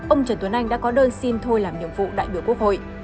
ông trần tuấn anh đã có đơn xin thôi làm nhiệm vụ đại biểu quốc hội